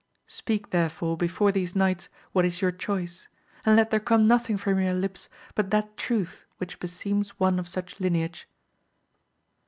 Speak therefore before these knights what is your choice, and let there come nothing from your lips but that truth which beseems one of such lineage.